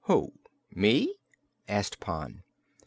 "Who, me?" asked Pon.